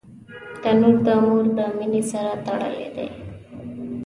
تنور د مور د مینې سره تړلی دی